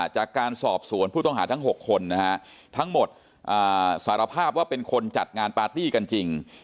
จากการสอบสวนผู้ต้องหาทั้ง๖คนทั้งหมดสารภาพว่าเป็นคนจัดงานปาร์ตี้กันจริง